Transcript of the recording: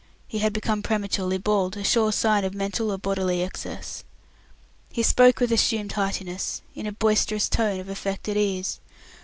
He had become prematurely bald a sure sign of mental or bodily excess. He spoke with assumed heartiness, in a boisterous tone of affected ease.